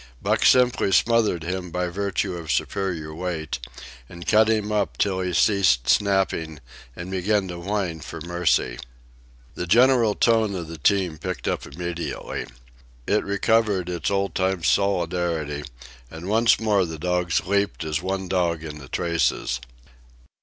Buck simply smothered him by virtue of superior weight, and cut him up till he ceased snapping and began to whine for mercy. The general tone of the team picked up immediately. It recovered its old time solidarity, and once more the dogs leaped as one dog in the traces.